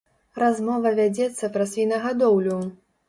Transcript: Размова вядзецца пра свінагадоўлю!